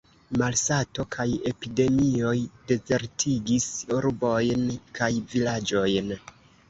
Malsato kaj epidemioj dezertigis urbojn kaj vilaĝojn.